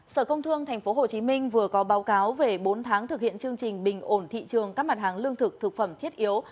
sở công thương tp hcm vừa có báo cáo về bốn tháng thực hiện chương trình bình ổn thị trường các mặt hàng lương thực thực phẩm thiết yếu